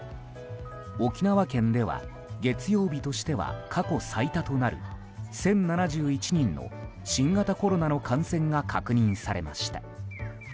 沖縄県では月曜日としては過去最多となる１０７１人の新型コロナの感染が確認されました。